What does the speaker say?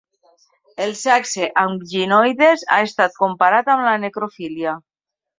El sexe amb ginoides ha estat comparat amb la necrofília.